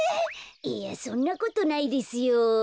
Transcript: いやそんなことないですよ。